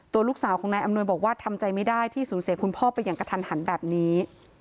ลูกสาวของนายอำนวยบอกว่าทำใจไม่ได้ที่สูญเสียคุณพ่อไปอย่างกระทันหันแบบนี้